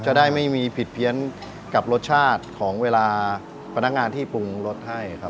จะได้ไม่มีผิดเพี้ยนกับรสชาติของเวลาพนักงานที่ปรุงรสให้ครับ